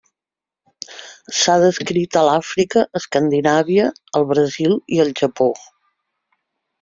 S'ha descrit a l'Àfrica, Escandinàvia, el Brasil i el Japó.